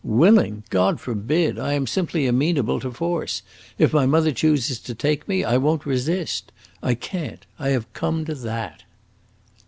"Willing? God forbid! I am simply amenable to force; if my mother chooses to take me, I won't resist. I can't! I have come to that!"